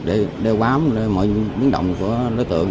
để đeo bám mọi biến động của đối tượng